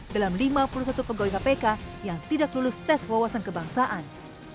dalam lima puluh satu pegawai kpk yang tidak lulus tes wawasan kebangsaan